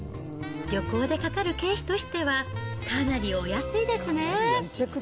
旅行でかかる経費としては、かなりお安いですね。